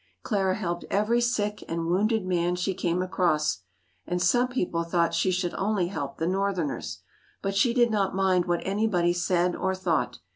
Clara helped every sick and wounded man she came across, and some people thought she should only help the northerners. But she did not mind what anybody said or thought.